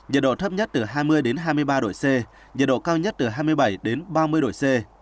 nhiệt độ thấp nhất từ hai mươi hai mươi ba độ c nhiệt độ cao nhất từ hai mươi bảy đến ba mươi độ c